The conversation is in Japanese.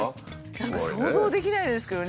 何か想像できないですけどね。